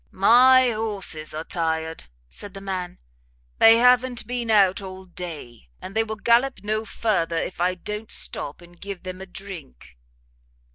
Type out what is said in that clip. "My horses are tired," said the man, "they have been out all day, and they will gallop no further, if I don't stop and give them a drink."